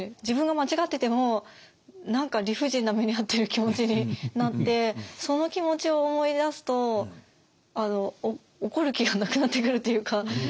自分が間違ってても何か理不尽な目に遭ってる気持ちになってその気持ちを思い出すと怒る気がなくなってくるというか。